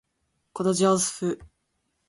こ ｄ じょ ｆ